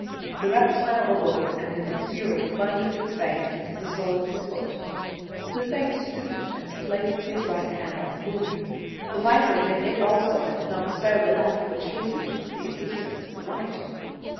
The reptile awoke, and in its fury plunged its fangs into the sole of his foot. The saint stooped and placed his right hand on the wound. The viper bit it also, and did not spare the left, which hastened to the assistance of the right.